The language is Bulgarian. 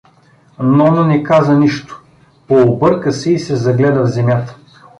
Нона не каза нищо, пообърка се и се загледа в земята.